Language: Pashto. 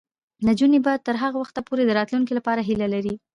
نجونې به تر هغه وخته پورې د راتلونکي لپاره هیله لري.